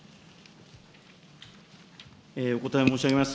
お答えを申し上げます。